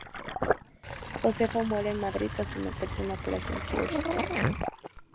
Josefa muere en Madrid tras someterse a una operación quirúrgica.